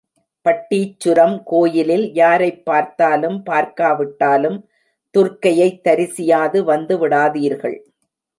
பட்டீச்சுரம் கோயிலில் யாரைப் பார்த்தாலும் பார்க்காவிட்டாலும் துர்க்கையைத் தரிசியாது வந்து விடாதீர்கள்.